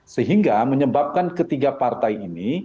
sehingga menyebabkan ketiga partai ini